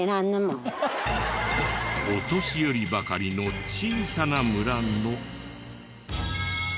お年寄りばかりの小さな村の。